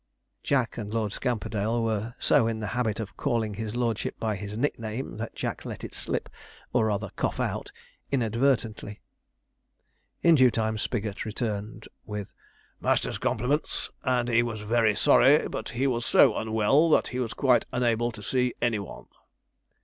Jack and Lord Scamperdale were so in the habit of calling his lordship by this nickname, that Jack let it slip, or rather cough out, inadvertently. In due time Spigot returned, with 'Master's compliments, and he was very sorry, but he was so unwell that he was quite unable to see any one.'